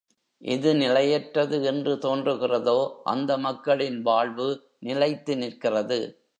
எது நிலையற்றது என்று தோன்றுகிறதோ, அந்த மக்களின் வாழ்வு நிலைத்து நிற்கிறது.